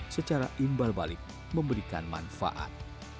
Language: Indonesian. secara imbal balik memberikan manfaat